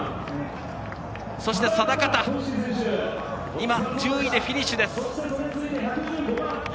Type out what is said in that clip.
そして、定方１０位でフィニッシュです。